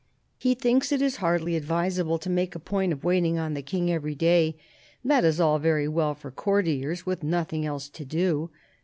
He thinks it is hardly advisable to make a point of waiting on the King every day. That is all very well for courtiers who have nothing else to do.